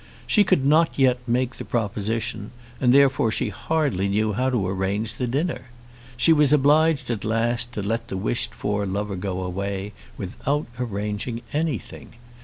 She could not yet make the proposition, and therefore she hardly knew how to arrange the dinner. She was obliged at last to let the wished for lover go away without arranging anything.